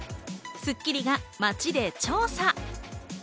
『スッキリ』が街で調査！